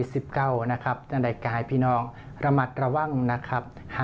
ทักทายแฟนเขา